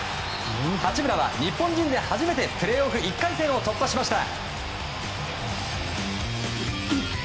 八村は日本人で初めてプレーオフ１回戦を突破しました。